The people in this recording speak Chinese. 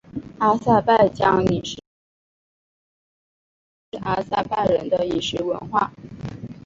阿塞拜疆饮食是指阿塞拜疆国内及阿塞拜疆人的饮食文化。